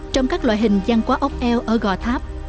trong các loại hình văn hóa ốc eo ở gò tháp